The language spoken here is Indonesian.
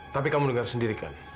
tapi kamu dengar sendiri kan